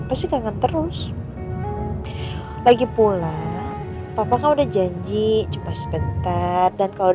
assalamualaikum warahmatullahi wabarakatuh